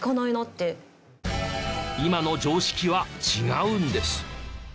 今の常識は違うんです。